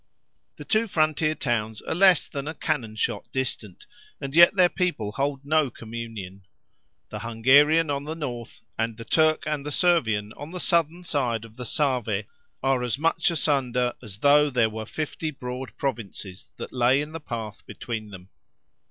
The two frontier towns are less than a cannon shot distant, and yet their people hold no communion. The Hungarian on the north, and the Turk and Servian on the southern side of the Save are as much asunder as though there were fifty broad provinces that lay in the path between them.